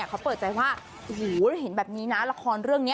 เขาเปิดใจว่าโอ้โหเห็นแบบนี้นะละครเรื่องนี้